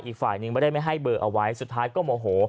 อีกฝ่ายนึงไม่ได้ไม่ให้เบอร์เอาไว้สุดท้ายก็โมโห